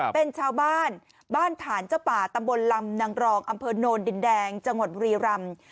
เป็นชาวบ้านบ้านฐานเจ้าป่าตำบลลำนางรองอำเภอโนนดินแดงจังหวัดบุรีรำ